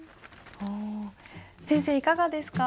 先生いかがですか？